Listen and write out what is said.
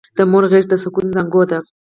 د مور غېږه د سکون زانګو ده!